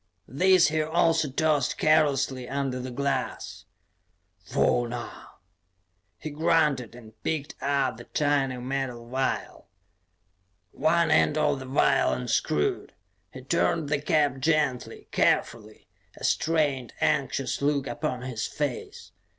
These he also tossed carelessly under the glass. "Fauna," he grunted, and picked up the tiny metal vial. One end of the vial unscrewed. He turned the cap gently, carefully, a strained, anxious look upon his face.